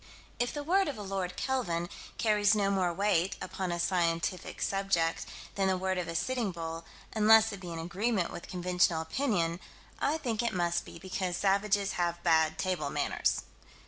If the word of a Lord Kelvin carries no more weight, upon scientific subjects, than the word of a Sitting Bull, unless it be in agreement with conventional opinion I think it must be because savages have bad table manners.